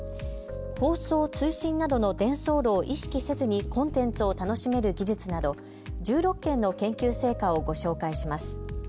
放送・通信などの伝送路を意識せずにコンテンツを楽しめる技術など１６件の研究成果をご紹介します。